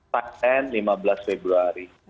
pakistan lima belas februari